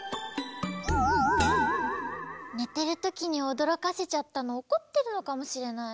ねてるときにおどろかせちゃったのおこってるのかもしれない。